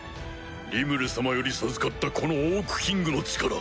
リムル様より授かったこのオークキングの力。